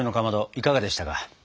いかがでしたか？